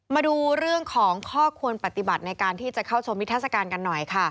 มาดูเรื่องของข้อควรปฏิบัติในการที่จะเข้าชมนิทัศกาลกันหน่อยค่ะ